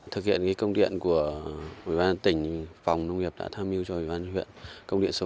thực hiện công điện của ubnd tỉnh phòng nông nghiệp đã tham mưu cho ubnd huyện công điện số hai